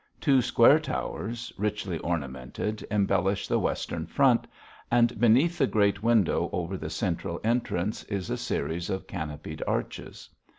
Two square towers, richly ornamented, embellish the western front, and beneath the great window over the central entrance is a series of canopied arches.